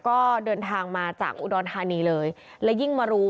ก็เดินทางมาจากอุดรฮานีเลย